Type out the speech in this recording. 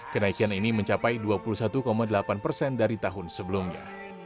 kenaikan ini mencapai dua puluh satu delapan persen dari tahun sebelumnya